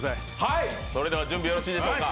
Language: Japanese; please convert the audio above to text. それでは準備よろしいでしょうか。